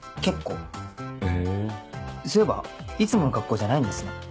そういえばいつもの格好じゃないんですね。